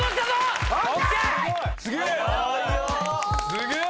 すげえ！